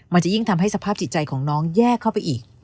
มันจะยิ่งทำให้สภาพจิตใจของน้องแยกเข้าไปอีก